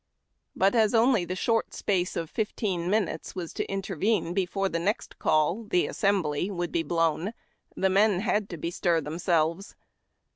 But as only the short space of fifteen minutes was to intervene before the next call, the Assemhly, would be blown, the men had to bestir themselves.